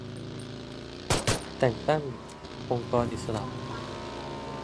-แต่งตั้งองค์กรอิสระ